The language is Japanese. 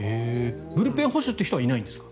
ブルペン捕手という人はいないんですか？